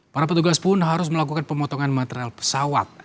para petugas pun harus melakukan pemotongan material pesawat